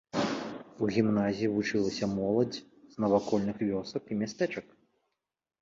У гімназіі вучылася моладзь з навакольных вёсак і мястэчак.